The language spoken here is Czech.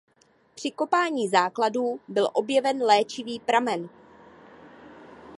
Při kopání základů byl objeven léčivý pramen.